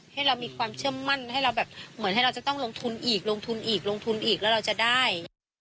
ให้เรามีความเชื่อมั่นให้เราแบบเหมือนให้เราจะต้องลงทุนอีกลงทุนอีกลงทุนอีกแล้วเราจะได้